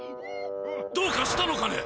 どうかしたのかね！？